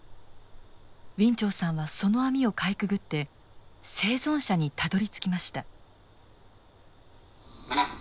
ウィン・チョウさんはその網をかいくぐって生存者にたどりつきました。